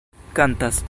kantas